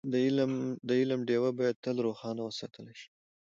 د علم ډېوه باید تل روښانه وساتل شي.